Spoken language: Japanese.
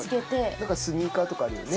何かスニーカーとかあるよね。